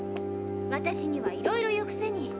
私にはいろいろ言うくせに。